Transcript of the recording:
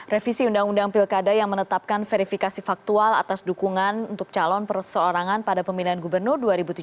revisi undang undang pilkada yang menetapkan verifikasi faktual atas dukungan untuk calon perseorangan pada pemilihan gubernur dua ribu tujuh belas